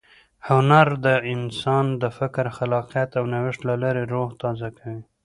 هنر د انسان د فکر، خلاقیت او نوښت له لارې روح تازه کوي.